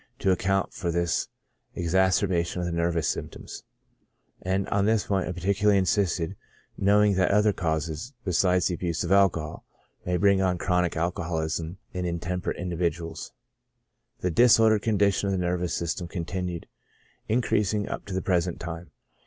to account for this exacerbation of the nervous symptoms j and on this point I particularly insisted, knowing that other causes, besides the abuse of alcohol, may bring on chronic al coholism in intemperate individuals. The disordered con dition of the nervous system continued increasing up to the present time.